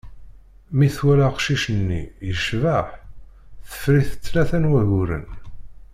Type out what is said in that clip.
Mi twala aqcic-nni, yecbeḥ, teffer-it tlata n wagguren.